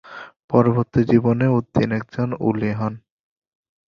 পরবর্তী জীবনে উদ্দীন একজন ওলি হন।